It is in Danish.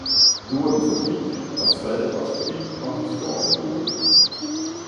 nu var den forbi, og træet var forbi og historien med.